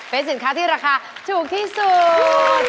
เป็นสินค้าที่ราคาถูกที่สุด